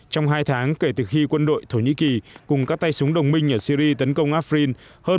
trong hai tháng kể từ khi quân đội thổ nhĩ kỳ cùng các tay súng đồng minh ở syri tấn công afrin